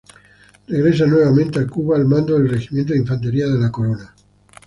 Regresa nuevamente a Cuba al mando del Regimiento de Infantería de la Corona.